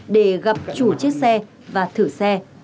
để gặp chủ chiếc xe và thử xe